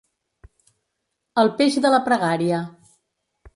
El peix de la pregària.